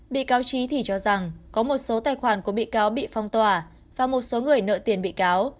bị cáo trí thì cho rằng có một số tài khoản của bị cáo bị phong tỏa và một số người nợ tiền bị cáo